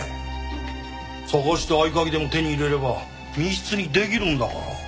探して合鍵でも手に入れれば密室にできるんだから。